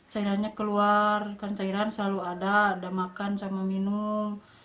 cairannya keluar kan cairan selalu ada ada makan sama minum